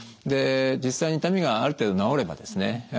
で実際に痛みがある程度治ればですね